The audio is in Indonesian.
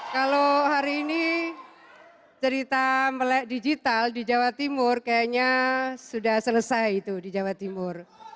kalau hari ini cerita melek digital di jawa timur kayaknya sudah selesai itu di jawa timur